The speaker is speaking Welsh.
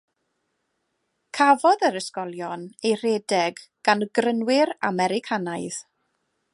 Cafodd yr ysgolion eu rhedeg gan Grynwyr Americanaidd.